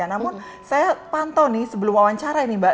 namun saya pantau nih sebelum wawancara ini mbak